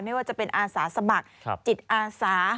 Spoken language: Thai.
ไม่ว่าจะเป็นอาสาสมัครจิตอาสา